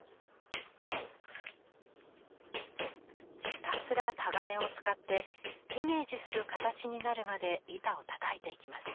ひたすらタガネを使ってイメージする形になるまで板をたたいていきます。